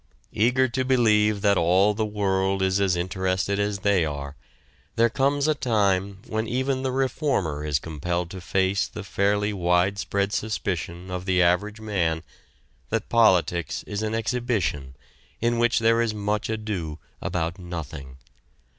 Eager to believe that all the world is as interested as they are, there comes a time when even the reformer is compelled to face the fairly widespread suspicion of the average man that politics is an exhibition in which there is much ado about nothing.